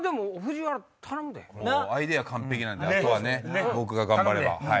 アイデア完璧なんであとは僕が頑張れば。